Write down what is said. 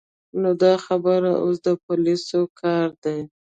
نو دا خبره اوس د پولیسو کار دی.